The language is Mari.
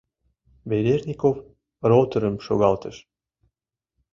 — Ведерников роторым шогалтыш.